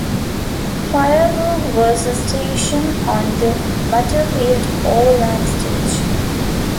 Firebaugh was a station on the Butterfield Overland Stage.